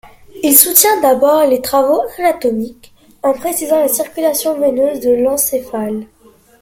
Il soutient d'abord des travaux anatomiques, en précisant la circulation veineuse de l'encéphale.